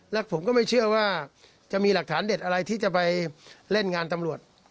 และผมก็ไม่เชื่อว่าจะมีหลักฐานเด็ดอะไรที่จะไปเล่นงานตำรวจ